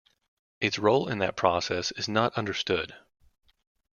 Its role in that process is not understood.